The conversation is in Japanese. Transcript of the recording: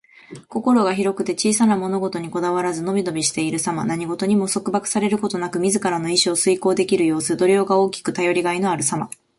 心が広くて小さな物事にこだわらず、のびのびしているさま。何事にも束縛されることなく、自らの意志を遂行できる様子。度量が大きく、頼りがいのあるさま。